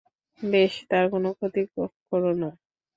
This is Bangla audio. বেশ, তার কোনো ক্ষতি কোরো না।